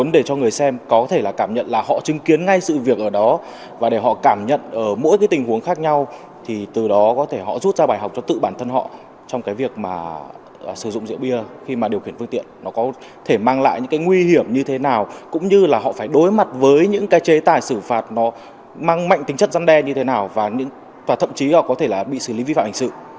đối với những cái chế tài xử phạt nó mang mạnh tính chất răn đen như thế nào và thậm chí có thể là bị xử lý vi phạm hành sự